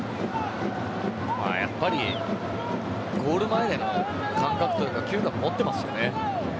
やっぱりゴール前の感覚というか嗅覚持っていますよね。